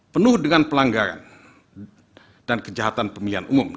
penuh dengan pelanggaran dan kejahatan pemilihan umum